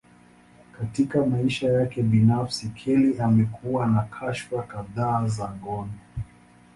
Katika maisha yake binafsi, Kelly amekuwa na kashfa kadhaa za ngono.